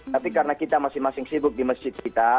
tapi karena kita masing masing sibuk di masjid kita